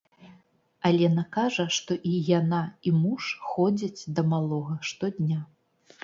Алена кажа, што і яна, і муж ходзяць да малога штодня.